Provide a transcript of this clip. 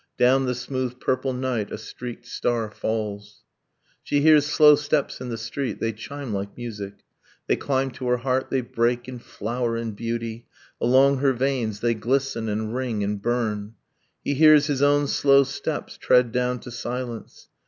Down the smooth purple night a streaked star falls. She hears slow steps in the street they chime like music; They climb to her heart, they break and flower in beauty, Along her veins they glisten and ring and burn. ... He hears his own slow steps tread down to silence.